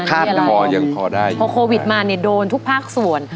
พอยังพอได้พอโควิดมาเนี่ยโดนทุกภาคส่วน